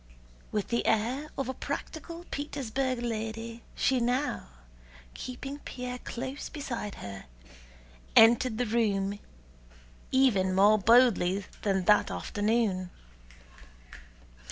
With the air of a practical Petersburg lady she now, keeping Pierre close beside her, entered the room even more boldly than that afternoon.